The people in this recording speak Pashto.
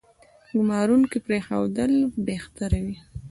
ګومارونکو پرېښودل بهتره وي.